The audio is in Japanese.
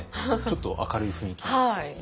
ちょっと明るい雰囲気に。